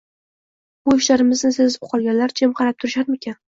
Bu ishlarimizni sezib qolganlar jim qarab turisharmikin